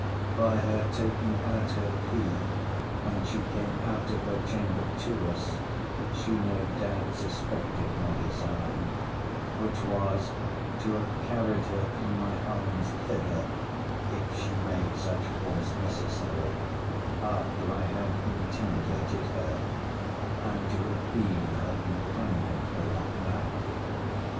By her taking out her key, when she came out of her chamber to us, she no doubt suspected my design: which was, to have carried her in my arms thither, if she made such force necessary, after I had intimidated her; and to have been her companion for that night.